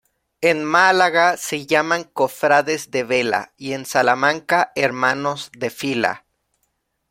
En Málaga se llaman cofrades de vela y en Salamanca hermanos de fila.